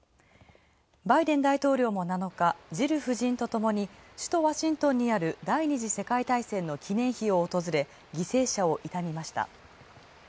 バイデン大統領も７日、ジル夫人とともに首都ワシントンにある第２次世界大戦の祈念碑を訪れ犠牲者を悼みました。